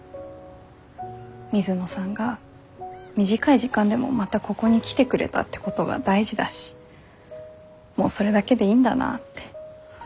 水野さんが短い時間でもまたここに来てくれたってことが大事だしもうそれだけでいいんだなって。